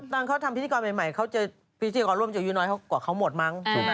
ตอนเขาทำพิธิกรใหม่เขาเจอพิธิกรรมกว่าเขาหมดมั้ง